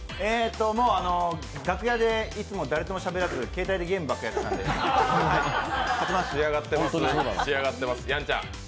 楽屋でいつも誰ともしゃべらず携帯でゲームばっかりやってたので仕上がってます。